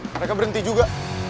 mereka berhenti juga